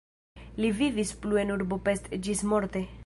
Li vivis plu en urbo Pest ĝismorte.